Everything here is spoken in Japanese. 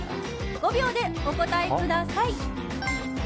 ５秒でお答えください。